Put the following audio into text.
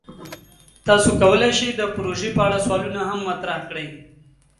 تاسو کولی شئ د پروژې په اړه سوالونه هم مطرح کړئ.